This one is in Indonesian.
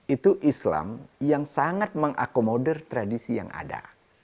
itu islam yang sangat mengakomodir tradisi yang ada